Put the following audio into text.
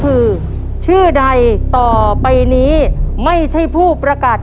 รับทุนไปต่อชีวิตสุดหนึ่งล้อนบอส